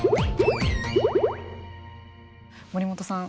森本さん